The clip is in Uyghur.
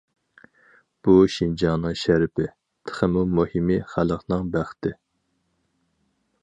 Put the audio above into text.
بۇ شىنجاڭنىڭ شەرىپى، تېخىمۇ مۇھىمى خەلقنىڭ بەختى.